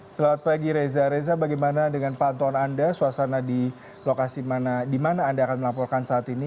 selamat pagi reza reza bagaimana dengan pantauan anda suasana di mana anda akan melaporkan saat ini